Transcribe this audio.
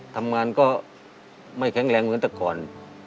ทำงานก็ไม่แข็งแรงเหมือนแต่ก่อน